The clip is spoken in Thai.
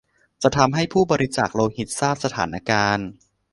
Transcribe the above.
จะทำให้ผู้บริจาคโลหิตทราบสถานการณ์